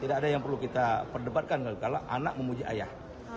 tidak ada yang perlu kita perdebatkan kalau anak memuji ayah